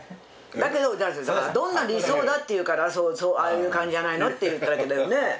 だけど「どんな理想だ？」って言うから「ああいう感じじゃないの？」って言っただけだよね。